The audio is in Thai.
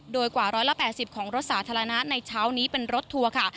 โดยกว่า๑๘๐ของรถสาธารณะในเช้านี้เป็นรถทัวร์ค่ะ